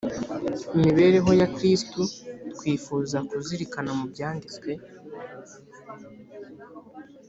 imibereho ya kristu twifuza kuzirikana mu byanditswe